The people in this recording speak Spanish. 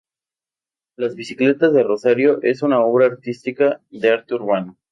Las bicicletas de Rosario es una obra artística de arte urbano.